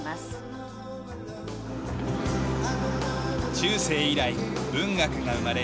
中世以来文学が生まれ